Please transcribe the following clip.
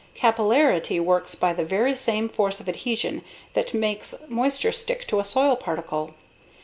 Capillarity works by the very same force of adhesion that makes moisture stick to a soil particle.